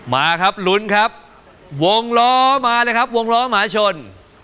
มาครับลุ้นครับวงล้อมาเลยครับวงล้อหมาชน